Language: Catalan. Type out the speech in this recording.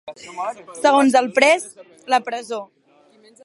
Segons el pres, la presó.